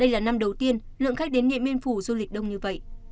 đây là năm đầu tiên lượng khách đến điện biên phủ du lịch đông như vậy